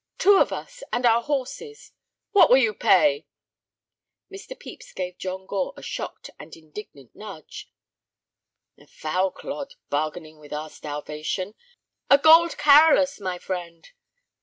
"Two of us, and our horses." "What will you pay?" Mr. Pepys gave John Gore a shocked and indignant nudge. "The foul clod, bargaining with our starvation! A gold carolus, my friend."